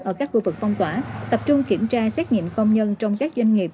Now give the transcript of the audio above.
ở các khu vực phong tỏa tập trung kiểm tra xét nghiệm công nhân trong các doanh nghiệp